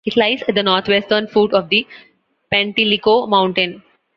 It lies at the northwestern foot of the Penteliko Mountain.